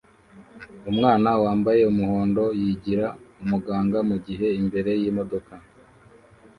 Umwana wambaye umuhondo yigira umuganga mugihe imbere yimodoka